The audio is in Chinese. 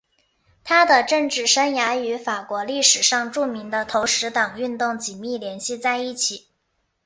他的政治生涯与法国历史上著名的投石党运动紧密联系在一起。